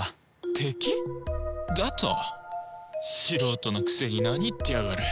素人のくせに何言ってやがる